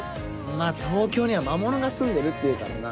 まぁ東京には魔物がすんでるっていうからな。